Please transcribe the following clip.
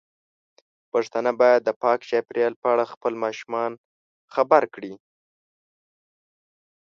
پښتانه بايد د پاک چاپیریال په اړه خپل ماشومان خبر کړي.